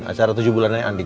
acara tujuh bulanannya andin